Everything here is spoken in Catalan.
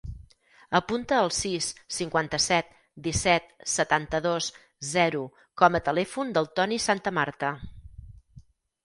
Apunta el sis, cinquanta-set, disset, setanta-dos, zero com a telèfon del Toni Santamarta.